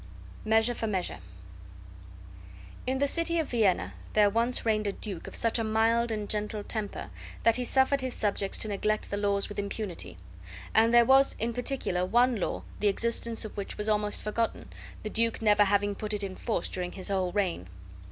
MEASURE FOR MEASURE In the city of Vienna there once reigned a duke of such a mild and gentle temper that he suffered his subjects to neglect the laws with impunity; and there was in particular one law the existence of which was almost forgotten, the duke never having put it in force during his whole reign.